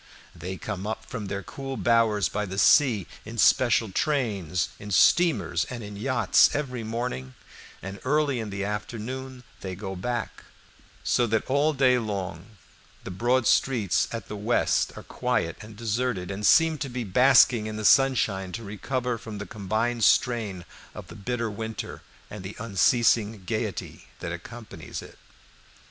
They come up from their cool bowers by the sea, in special trains, in steamers, and in yachts, every morning, and early in the afternoon they go back, so that all day long the broad streets at the west are quiet and deserted, and seem to be basking in the sunshine to recover from the combined strain of the bitter winter and the unceasing gayety that accompanies it.